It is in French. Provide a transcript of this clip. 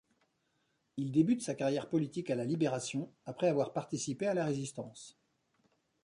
Il débute sa carrière politique à la Libération, après avoir participé à la Résistance.